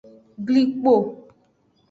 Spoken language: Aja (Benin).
Glikpo.